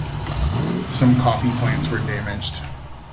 Some coffee plants were damaged.